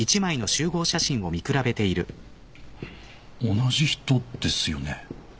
同じ人ですよね？